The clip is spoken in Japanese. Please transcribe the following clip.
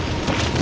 あ！